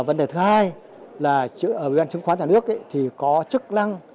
vấn đề thứ hai là ở ubnd chứng khoán nhà nước thì có chức năng